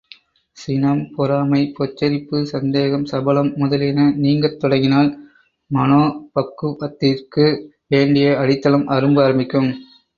சினம், பொறாமை, பொச்சரிப்பு, சந்தேகம், சபலம் முதலியன நீங்கத் தொடங்கினால் மனோபக்குவத்திற்கு வேண்டிய அடித்தளம் அரும்ப ஆரம்பிக்கும்.